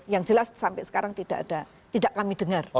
yang jelas sampai sekarang tidak kami dengar